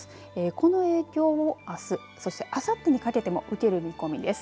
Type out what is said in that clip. この影響をあすそしてあさってにかけても受ける見込みです。